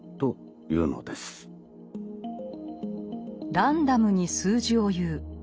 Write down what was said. ランダムに数字を言う。